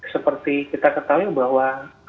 seperti kita ketahui bahwa